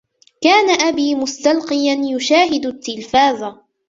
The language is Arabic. كان أبي مستلقيا ، يشاهد التلفاز.